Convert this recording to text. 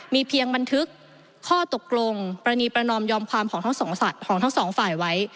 มีเพียงบันทึกข้อตกลงปรณีประนอมยอมความของทั้งสองของทั้งสองฝ่ายไว้